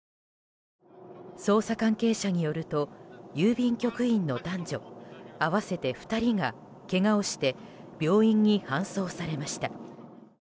捜査関係者によると郵便局員の男女合わせて２人がけがをして病院に搬送されました。